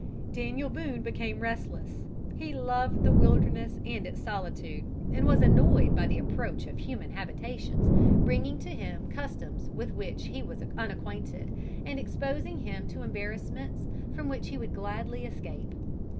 Daniel Boone became restless. He loved the wilderness and its solitude, and was annoyed by the approach of human habitations, bringing to him customs with which he was unacquainted, and exposing him to embarrassments from which he would gladly escape.